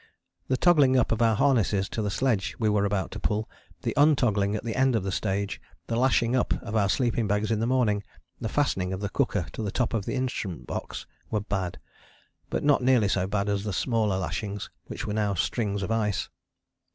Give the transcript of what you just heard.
The toggling up of our harnesses to the sledge we were about to pull, the untoggling at the end of the stage, the lashing up of our sleeping bags in the morning, the fastening of the cooker to the top of the instrument box, were bad, but not nearly so bad as the smaller lashings which were now strings of ice.